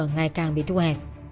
ngày càng bị thu hẹp